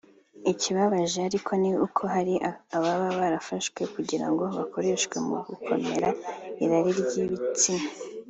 Ikibabaje ariko ni uko hari ababa barafashwe kugira ngo bakoreshwe mu gukemura irari ry’ibitsina